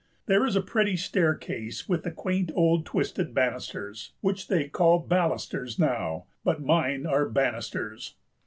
There is a pretty staircase with the quaint old twisted banisters, which they call balusters now; but mine are banisters.